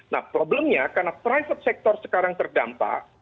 nah problemnya karena private sector sekarang terdampak